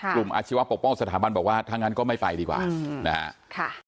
อาชีวะปกป้องสถาบันบอกว่าถ้างั้นก็ไม่ไปดีกว่านะฮะ